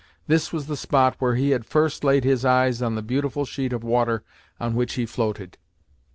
This was the spot where he had first laid his eyes on the beautiful sheet of water on which he floated.